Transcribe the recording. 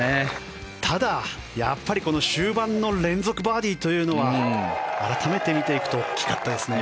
ただ、やっぱり、この終盤の連続バーディーというのは改めて見ていくと大きかったですね。